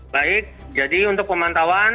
baik jadi untuk pemantauan